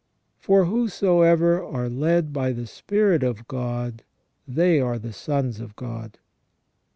For whosoever are led by the spirit of God, they are the sons of God."